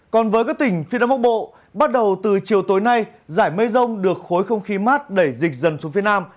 còn với các tỉnh phía đông bắc bộ bắt đầu từ chiều tối nay giải mây rông được khối không khí mát đẩy dịch dần xuống phía nam